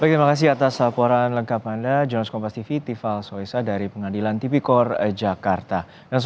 terima kasih atas laporan lengkap anda jonas kompas tv tival soesa dari pengadilan tipikor jakarta